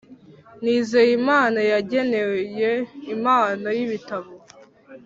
nizeyimana yageneye impano y’ibitabo